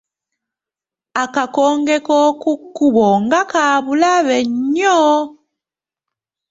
Akakonge k’oku kkubo nga ka bulabe nnyo!